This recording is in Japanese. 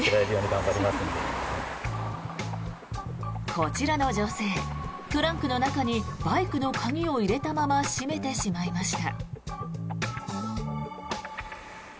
こちらの女性、トランクの中にバイクの鍵を入れたまま閉めてしまいました。